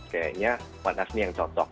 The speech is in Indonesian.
kayaknya satu a ini yang cocok